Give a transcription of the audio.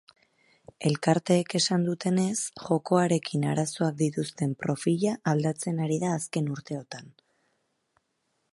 Elkarteek esan dutenez, jokoarekin arazoak dituztenen profila aldatzen ari da azken urteetan.